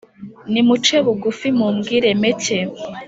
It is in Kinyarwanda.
nimuce bugufi mubwiremeke,